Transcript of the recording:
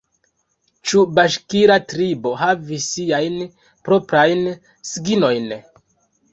Ĉiu baŝkira tribo havis siajn proprajn signojn.